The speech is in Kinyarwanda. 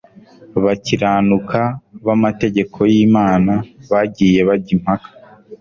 bakiranuka bamategeko yImana bagiye bajya impaka